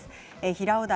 平尾台